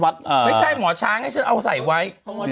ไม่ใช่หมอช้างเอาใส่ไว้